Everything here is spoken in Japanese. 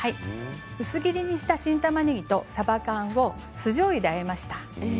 薄切りにした新たまねぎとさば缶を酢じょうゆであえました。